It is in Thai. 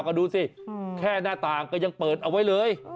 ก็ดูสิแค่หน้าต่างก็ยังเปิดเอาไว้เลย